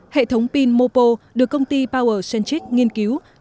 hệ thống pin mopo được công ty powersencheck nghiên cứu